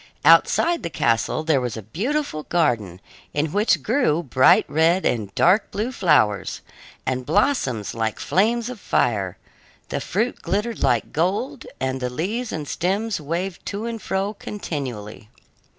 Outside the castle there was a beautiful garden, in which grew bright red and dark blue flowers, and blossoms like flames of fire; the fruit glittered like gold, and the leaves and stems waved to and fro continually.